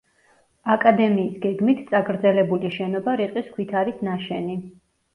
აკადემიის გეგმით წაგრძელებული შენობა რიყის ქვით არის ნაშენი.